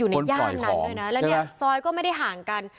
อยู่ในย่านั้นมั้ยเลยน่ะแล้วเนี้ยซอยก็ไม่ได้ห่างกัน